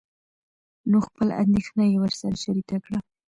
نو خپله اندېښنه يې ورسره شريکه کړه.